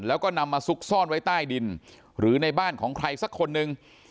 แล้วก็นำมาซุกซ่อนไว้ใต้ดินหรือในบ้านของใครสักคนหนึ่ง